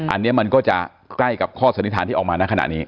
อันนี้มันก็จะใกล้กับข้อสันนิษฐานที่ออกมาในขณะนี้